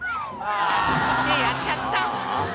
「ってやっちゃった」